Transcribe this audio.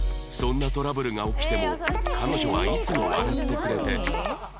そんなトラブルが起きても彼女はいつも笑ってくれて